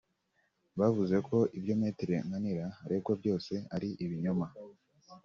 Bavuze ko ibyo Me Nkanika aregwa byose ari ibinyoma